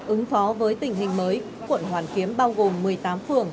ứng phó với tình hình mới quận hoàn kiếm bao gồm một mươi tám phường